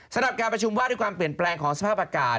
สำหรับการประชุมว่าด้วยความเปลี่ยนแปลงของสภาพอากาศ